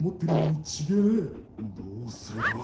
どうすれば。